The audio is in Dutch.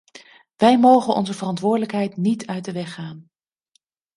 Wij mogen onze verantwoordelijkheid niet uit de weg gaan.